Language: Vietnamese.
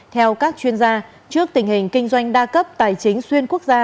theo các chuyên gia trước tình hình kinh doanh đa cấp tài chính xuyên quốc gia